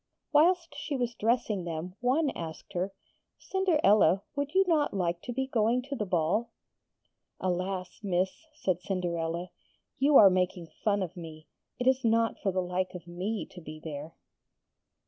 Whilst she was dressing them one asked her: 'Cinderella, would you not like to be going to the ball?' 'Alas! miss,' said Cinderella, 'you are making fun of me. It is not for the like of me to be there.'